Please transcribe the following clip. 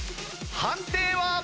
判定は？